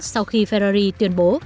sau khi ferrari tuyên bố